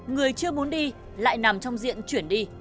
người chưa muốn đi lại nằm trong diện chuyển đi